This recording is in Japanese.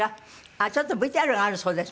あっちょっとＶＴＲがあるそうです。